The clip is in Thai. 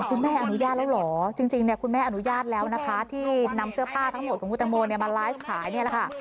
คุณแม่อนุญาตแล้วเหรอจริงคุณแม่อนุญาตแล้วนะคะที่นำเสื้อผ้าทั้งหมดของคุณตังโมมาไลฟ์ขายเนี่ยแหละค่ะ